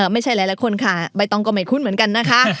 ไม่ใช่หลายคนค่ะใบตองก็ไม่คุ้นเหมือนกันนะคะ